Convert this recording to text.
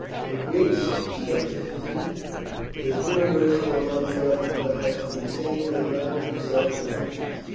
In Greece scepticism is universal among the upper class, and the same may now be said of Egypt.